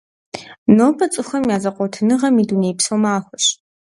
Нобэ цӀыхухэм я зэкъуэтыныгъэм и дунейпсо махуэщ.